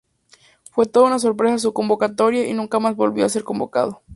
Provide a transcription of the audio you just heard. Fue toda una sorpresa su convocatoria, y nunca más volvió a ser convocado.